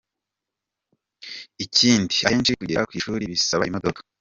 Ikindi, ahenshi kugera ku ishuri bisaba imodoka.